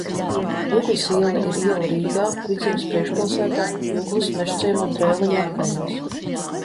Juglas iela ir iela Rīgā, Vidzemes priekšpilsētā, Juglas, Mežciema un Dreiliņu apkaimēs.